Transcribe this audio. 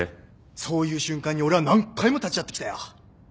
そういう瞬間に俺は何回も立ち会ってきたよ。